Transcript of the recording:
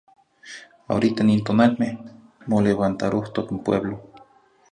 Ahorita nin tonalmeh, molevantarohtoc n pueblo.